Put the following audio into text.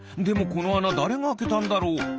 でもこのあなだれがあけたんだろう？